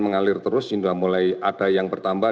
mengalir terus sudah mulai ada yang bertambah